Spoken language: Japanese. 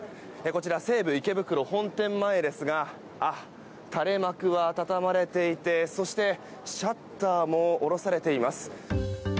西武池袋本店前ですが垂れ幕は畳まれていてそして、シャッターも下ろされています。